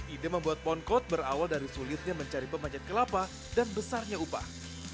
ide membuat poncode berawal dari sulitnya mencari pemanjat kelapa dan besarnya upah